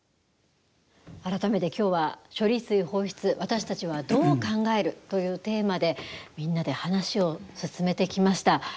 改めて、今日は「処理水放出私たちはどう考える？」というテーマで、みんなで話を進めてきました。